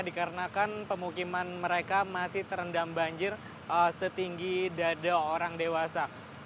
dikarenakan pemukiman mereka masih terendam banjir setinggi dada orang dewasa